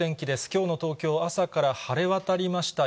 きょうの東京、朝から晴れわたりました。